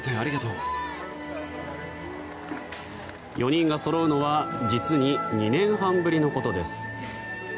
４人がそろうのは実に２年半ぶりのことです。